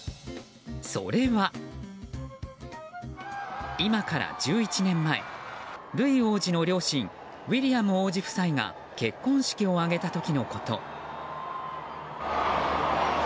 それは、今から１１年前ルイ王子の両親ウィリアム王子夫妻が結婚式を挙げた時のこと。